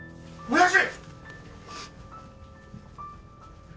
親父！